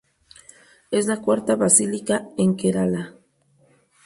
Es la cuarta basílica en Kerala.